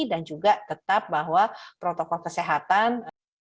dan juga tetap bahwa protokol kesehatan